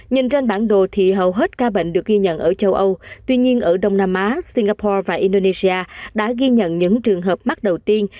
nhìn trên bản đồ thì hầu hết ca bệnh được ghi nhận ở châu âu tuy nhiên ở đông nam á singapore và indonesia đã ghi nhận những trường hợp mắc đầu tiên